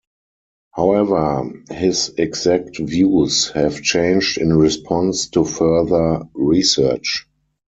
However, his exact views have changed in response to further research.